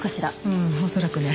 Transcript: うん恐らくね。